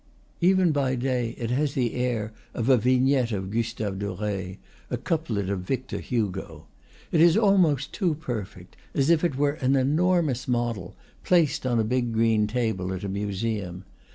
Even by day it has the air of a vignette of Gustave Dore, a couplet of Victor Hugo. It is almost too perfect, as if it were an enormous model, placed on a big green table at a museum.